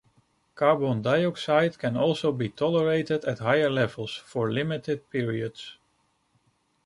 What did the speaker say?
Carbon dioxide can also be tolerated at higher levels for limited periods.